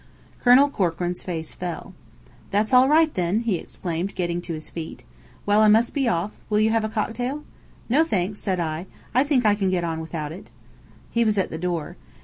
Colonel Corkran's face fell. "That's all right, then!" he exclaimed, getting to his feet. "Well, I must be off. Will you have a cocktail?" "No, thanks," said I. "I think I can get on without it." He was at the door.